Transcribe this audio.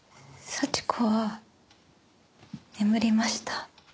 幸子は眠りました。